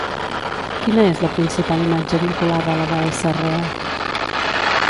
Quina és la principal imatge vinculada a la deessa Rea?